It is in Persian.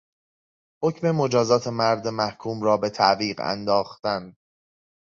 حکم مجازات مرد محکوم را به تعویق انداختن